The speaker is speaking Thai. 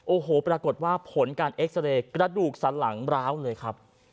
โอ้โหปรากฏว่าผลการเอ็กซาเรย์กระดูกสันหลังร้าวเลยครับ